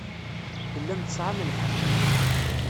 Tellam tesɛam lḥeqq.